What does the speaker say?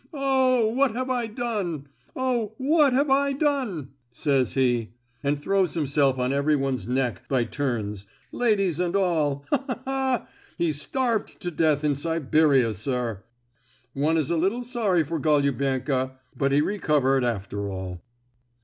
'Oh! what have I done? Oh! what have I done?' says he, and throws himself on everyone's neck by turns, ladies and all! Ha ha ha! He starved to death in Siberia, sir! One is a little sorry for Golubenko; but he recovered, after all."